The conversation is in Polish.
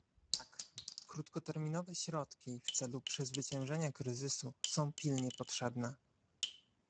Tak, krótkoterminowe środki w celu przezwyciężenia kryzysu są pilnie potrzebne